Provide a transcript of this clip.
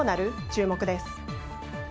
注目です。